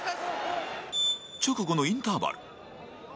直後のインターバル